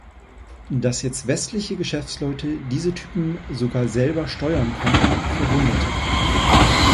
Dass jetzt westliche Geschäftsleute diese Typen sogar selber steuern konnten, verwunderte.